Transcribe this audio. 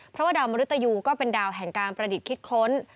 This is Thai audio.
เพราะว่าดาวมริตยูก็เป็นดาวแห่งการประดิษฐ์คิดค้น